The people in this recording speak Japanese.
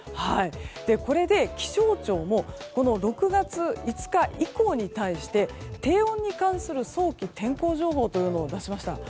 これで気象庁も６月５日以降に対して低温に関する早期天候情報というのを出しました。